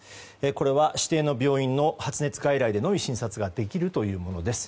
これは指定の病院の発熱外来でのみ診察ができるものです。